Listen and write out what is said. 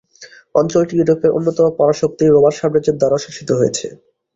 অঞ্চলটি ইউরোপের অন্যতম পরাশক্তি রোমান সাম্রাজ্যের দ্বারাও শাসিত হয়েছে।